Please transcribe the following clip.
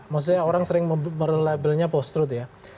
maksudnya orang sering berlabelnya post truth ya